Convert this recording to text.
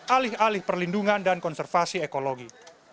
alih alih perlindungan dan konservasi ekologi